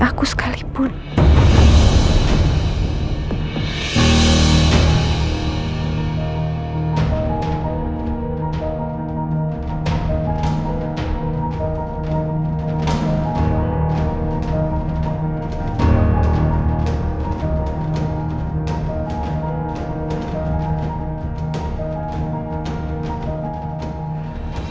halol ininya berutes